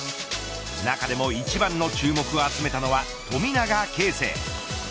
中でも一番の注目を集めたのは富永啓生。